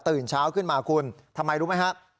เช้าขึ้นมาคุณทำไมรู้ไหมฮะ